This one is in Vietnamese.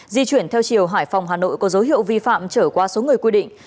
di chuyển theo chiều hải phòng hà nội có dấu hiệu vi phạm trở qua số người quy định